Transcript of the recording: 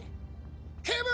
警部！